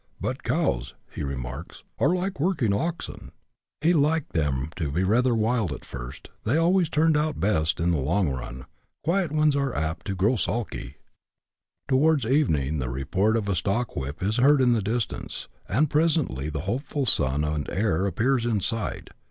" But cows," he remarks, "are like working oxen ; he liked them to be rather wild at first, they always turned out best in the long run : quiet ones are apt to grow sulky," Towards evening the report of a stockwhip is heard in the distance, and presently the hopeful son and heir appears in sight, CHAP. XIII.] A CONTRAST.